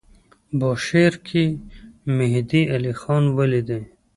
بوشهر کې مهدی علیخان ولیدی.